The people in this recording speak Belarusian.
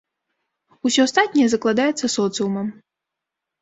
Усё астатняе закладаецца соцыумам.